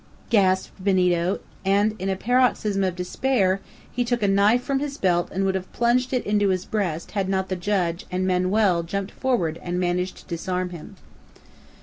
gasped Benito, and in a paroxysm of despair he took a knife from his belt and would have plunged it into his breast had not the judge and Manoel jumped forward and managed to disarm him.